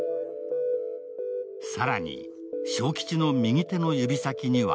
更に、昭吉の右手の指先には